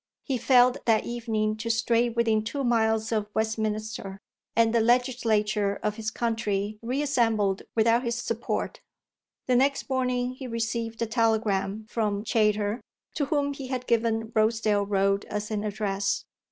He failed that evening to stray within two miles of Westminster, and the legislature of his country reassembled without his support. The next morning he received a telegram from Chayter, to whom he had given Rosedale Road as an address.